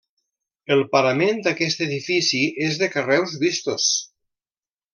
El parament d’aquest edifici és de carreus vistos.